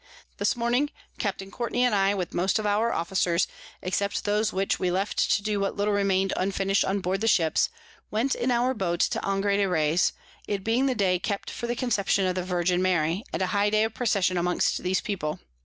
This Morning Capt. Courtney and I, with most of our Officers, except those which we left to do what little remain'd unfinish'd on board the Ships, went in our Boat to Angre de Reys, it being the Day kept for the Conception of the Virgin Mary, and a high Day of Procession amongst these People.